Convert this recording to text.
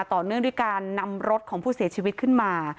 เนื่องด้วยการนำรถของผู้เสียชีวิตขึ้นมา